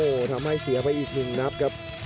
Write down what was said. โอ้โหทำให้เสียไปอีธิงครับครับ